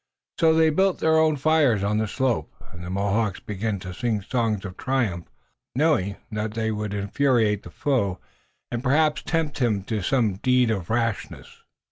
So they built their own fires on the slope and the Mohawks began to sing songs of triumph, knowing that they would infuriate the foe, and perhaps tempt him to some deed of rashness.